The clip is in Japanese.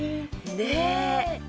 ねえ。